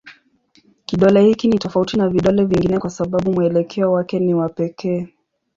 Kidole hiki ni tofauti na vidole vingine kwa sababu mwelekeo wake ni wa pekee.